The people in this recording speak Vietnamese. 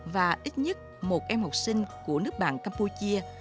và ít nhất một em học sinh của nước bạn campuchia